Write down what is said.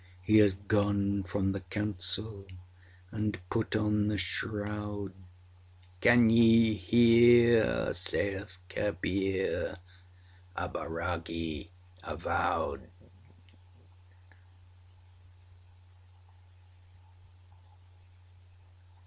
He has gone from the council and put on the shroud (âCan ye hear?â saith Kabir), a bairagi avowed!